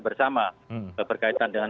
bersama berkaitan dengan